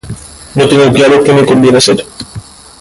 No tengo claro qué me conviene hacer